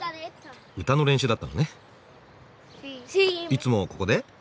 いつもここで？